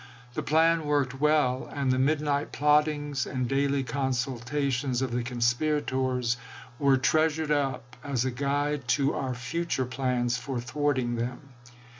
The plan worked well ; and the midnight plot tings and daily consultations of the conspirators were treasured up as a guide to our future plans for thwarting them.